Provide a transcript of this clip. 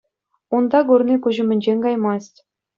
Унта курни куҫ умӗнчен каймасть.